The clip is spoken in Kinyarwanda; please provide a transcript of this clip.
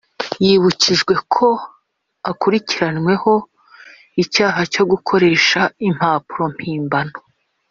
yibukijwe ko akurikirwanweho icyaha cyo gukoresha impapuro mpimbano